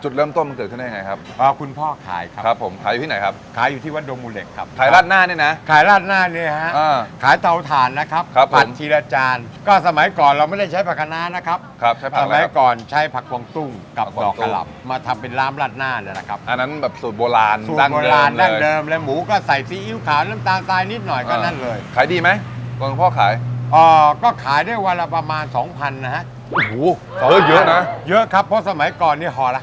จุดเริ่มต้นบังเตือกที่นี่ยังไงครับอ่าคุณพ่อขายครับครับผมขายอยู่ที่ไหนครับขายอยู่ที่วัดโดมูเหล็กครับขายราดหน้านี่นะขายราดหน้านี่ฮะอ่าขายเตาถ่านนะครับครับผมผัดทีละจานก็สมัยก่อนเราไม่ได้ใช้ผักขนานะครับครับใช้ผักอะไรครับสมัยก่อนใช้ผักกองตุ้งกับดอกกะหล่ำมาทำเป็นล้ามราด